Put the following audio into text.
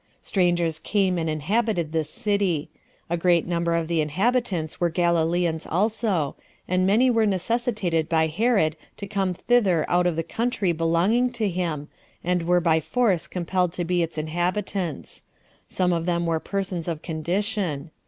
Strangers came and inhabited this city; a great number of the inhabitants were Galileans also; and many were necessitated by Herod to come thither out of the country belonging to him, and were by force compelled to be its inhabitants; some of them were persons of condition.